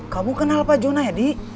kamu kenal pak juna ya di